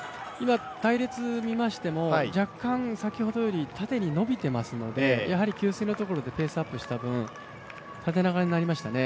隊列を見ましても、若干先ほどよりも縦に伸びていますので、やはり給水のところでペースアップした分、縦長になりましたね。